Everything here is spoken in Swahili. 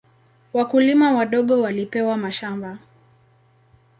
Wakulima wadogo walipewa mashamba.